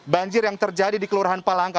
banjir yang terjadi di kelurahan palangka